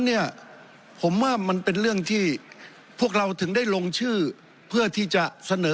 เนี่ยผมว่ามันเป็นเรื่องที่พวกเราถึงได้ลงชื่อเพื่อที่จะเสนอ